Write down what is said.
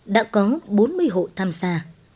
đã có bốn mươi hộ tham gia